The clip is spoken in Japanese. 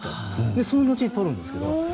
その後にとるんですけど。